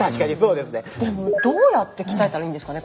でもどうやって鍛えたらいいんですかね